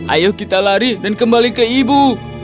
ayo kita lari dan kembali ke ibu